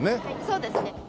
そうですね。